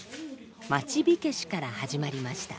町火消しから始まりました。